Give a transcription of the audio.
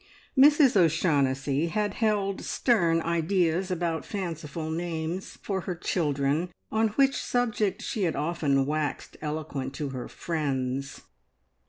Mrs O'Shaughnessy had held stern ideas about fanciful names for her children, on which subject she had often waxed eloquent to her friends.